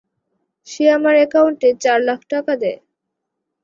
সে আমার অ্যাকাউন্টে চার লাখ টাকা দেয়।